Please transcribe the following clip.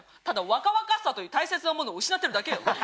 ただ若々しさという大切なものを失ってるだけよ。